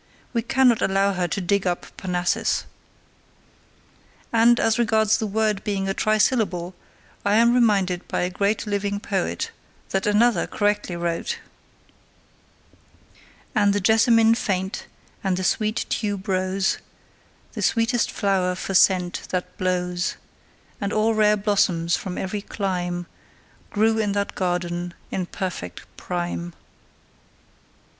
We cannot allow her to dig up Parnassus. And, as regards the word being a trisyllable, I am reminded by a great living poet that another correctly wrote: And the jessamine faint, and the sweet tuberose, The sweetest flower for scent that blows; And all rare blossoms from every clime Grew in that garden in perfect prime.